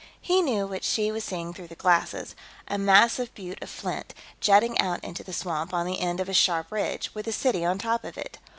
He knew what she was seeing through the glasses a massive butte of flint, jutting out into the swamp on the end of a sharp ridge, with a city on top of it.